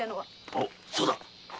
おうそうだ。